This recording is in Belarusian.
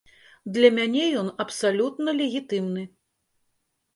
Для мяне ён абсалютна легітымны.